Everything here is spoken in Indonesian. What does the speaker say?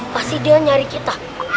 pasti dia nyari kita